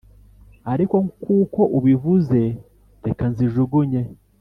ariko kuko ubivuze reka nzijugunye